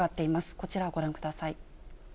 こちらをご覧ください。